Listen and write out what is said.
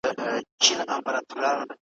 په لوی لاس چي مو پرې ایښي تر خالقه تللي لاري ,